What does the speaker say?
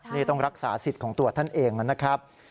นี่ต้องรักษาสิทธิ์ของตัวท่านเองนะครับ